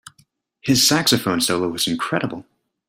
His saxophone solo was incredible.